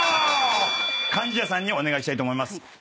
貫地谷さんにお願いしたいと思います。